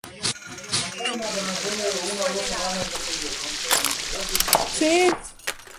Es un destino turístico de extranjeros y españoles.